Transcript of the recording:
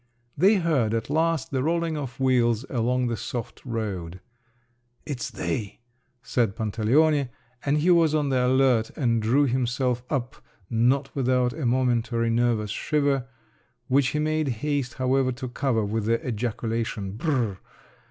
They heard, at last, the rolling of wheels along the soft road. "It's they!" said Pantaleone, and he was on the alert and drew himself up, not without a momentary nervous shiver, which he made haste, however, to cover with the ejaculation "B r r!"